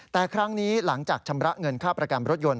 แต่ครั้งนี้หลังจากชำระเงินค่าประกันรถยนต